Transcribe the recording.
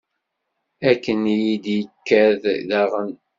Akken i yi-d-ikad daɣen.